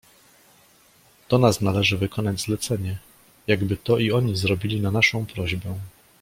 "Do nas należy wykonać zlecenie, jakby to i oni zrobili na naszą prośbę."